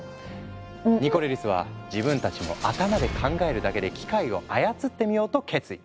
ニコレリスは自分たちも頭で考えるだけで機械を操ってみようと決意。